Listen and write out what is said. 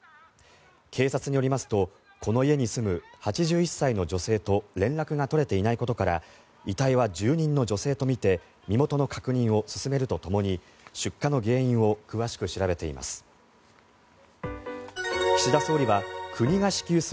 警察によりますとこの家に住む８１歳の女性と連絡が取れていないことから遺体は住人の女性とみて身元の確認を進めるとともに出火の原因を詳しく調べています。